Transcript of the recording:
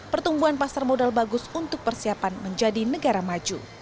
pertumbuhan pasar modal bagus untuk persiapan menjadi negara maju